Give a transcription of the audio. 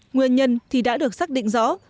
nguyên nhân thì đã được xác định rõ